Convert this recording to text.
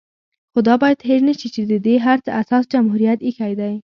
خو دا بايد هېر نشي چې د دې هر څه اساس جمهوريت ايښی دی